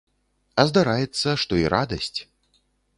А здараецца, што і радасць.